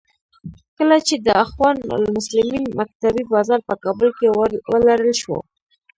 کله چې د اخوان المسلمین مکتبې بازار په کابل کې ولړل شو.